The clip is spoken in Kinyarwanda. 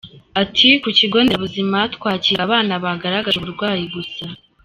Ati “Ku kigo nderabuzima twakiraga abana bagaragaje uburwayi gusa.